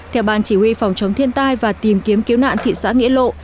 theo ban chỉ huy phòng chống thiên tai và tìm kiếm cứu nạn thị xã nghĩa lộ